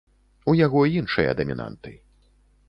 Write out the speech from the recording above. У яго іншыя дамінанты.